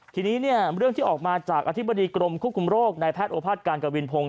ทีนี้เนี่ยเรื่องที่ออกมาจากอธิบดีกรมควบคุมโรคในแพทย์โอภาษการกวินพงศ